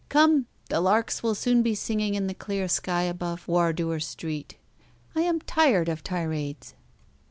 Come, the larks will soon be singing in the clear sky above Wardour Street. I am tired of tirades.